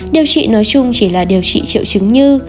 điều trị nói chung chỉ là điều trị triệu chứng như